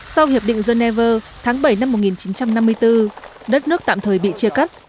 sau hiệp định geneva tháng bảy năm một nghìn chín trăm năm mươi bốn đất nước tạm thời bị chia cắt